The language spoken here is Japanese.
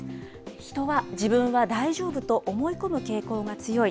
人は自分は大丈夫と思い込む傾向が強い。